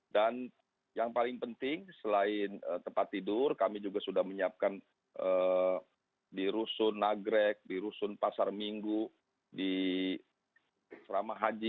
dan yang paling penting selain tempat tidur kami juga sudah menyiapkan di rusun nagreg di rusun pasar minggu di serama haji